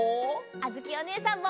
あづきおねえさんも！